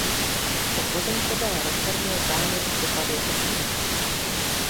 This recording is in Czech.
Po pozemkové reformě zámek připadl obci.